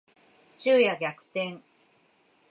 昼夜逆転